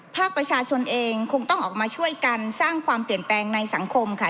ภาคประชาชนเองคงต้องออกมาช่วยกันสร้างความเปลี่ยนแปลงในสังคมค่ะ